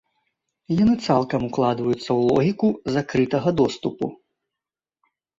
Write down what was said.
Яны цалкам укладваюцца ў логіку закрытага доступу.